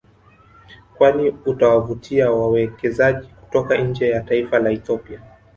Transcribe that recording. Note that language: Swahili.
Kwani utawavutia wawekezaji kutoka nje ya taifa la Ethiopia